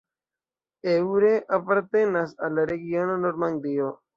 Eure apartenas al la regiono Normandio.